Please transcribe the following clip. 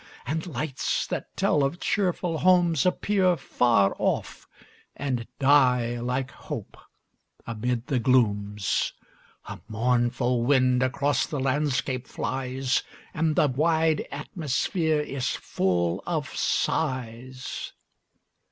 And lights, that tell of cheerful homes, appear Far off, and die like hope amid the glooms. A mournful wind across the landscape flies, And the wide atmosphere is full of sighs.